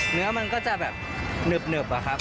เนื้อมันก็จะแบบหนึบอะครับ